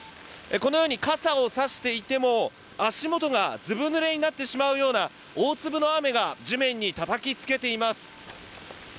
このように傘を差していても足元がずぶぬれになってしまうような大粒の雨が地面にたたきつけています。